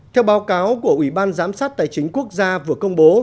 theo báo cáo của ủy ban giám sát tài chính quốc gia vừa công bố